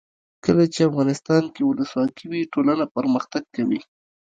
کله چې افغانستان کې ولسواکي وي ټولنه پرمختګ کوي.